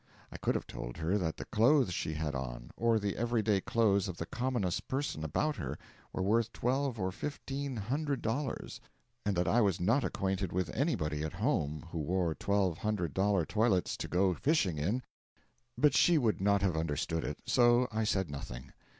I could have told her that the clothes she had on, or the every day clothes of the commonest person about her, were worth twelve or fifteen hundred dollars, and that I was not acquainted with anybody at home who wore twelve hundred dollar toilets to go fishing in; but she would not have understood it, so I said nothing.